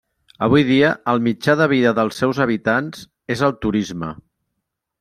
Avui dia el mitjà de vida dels seus habitants és el turisme.